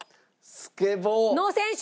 スケボー。の選手！